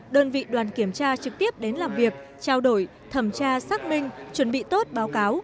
đơn vị đoàn kiểm tra trực tiếp đến làm việc trao đổi thẩm tra xác minh chuẩn bị tốt báo cáo